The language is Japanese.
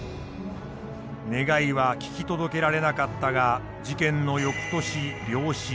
願いは聞き届けられなかったが事件の翌年病死。